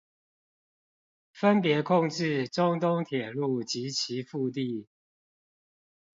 分別控制中東鐵路及其腹地